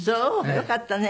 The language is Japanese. よかったね